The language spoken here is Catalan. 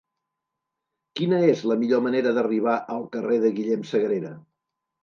Quina és la millor manera d'arribar al carrer de Guillem Sagrera?